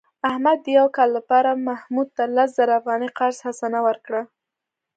احمد د یو کال لپاره محمود ته لس زره افغانۍ قرض حسنه ورکړه.